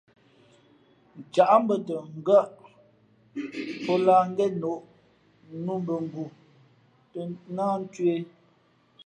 Ncǎʼ mbᾱʼtα ngά́ʼ pí lǎh ngén noʼ nnū mbα nguh tα náh ncwē.